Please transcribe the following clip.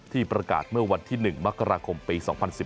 ที่ประกาศเมื่อวันที่๑มกราคมปี๒๐๑๘